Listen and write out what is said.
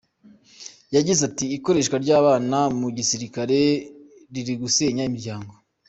Yagize ati “Ikoreshwa ry’abana mu gisirikare riri gusenya imiryango.